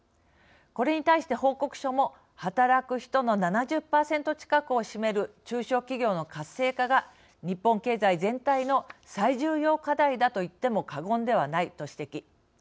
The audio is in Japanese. これに対して、報告書も働く人の７０％近くを占める中小企業の活性化が日本経済全体の最重要課題だと言っても過言ではないと指摘。